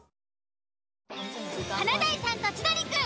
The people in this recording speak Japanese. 「華大さんと千鳥くん」。